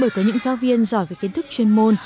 bởi có những giáo viên giỏi về kiến thức chuyên môn